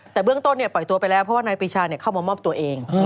แต่เบื้องต้นปล่อยตัวไปแล้วเพราะว่านายปีชาเข้ามามอบตัวเอง